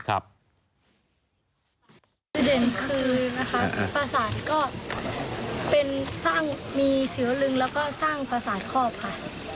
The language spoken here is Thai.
ชื่อเด่นคือนะคะปราศาสตร์ก็เป็นสร้างมีศิลลึงแล้วก็สร้างปราศาสตร์ครอบค่ะ